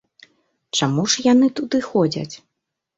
Чаму ж яны туды ходзяць?